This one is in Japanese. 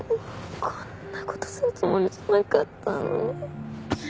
こんな事するつもりじゃなかったのに。